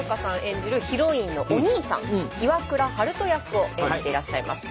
演じるヒロインのお兄さん岩倉悠人役を演じていらっしゃいます。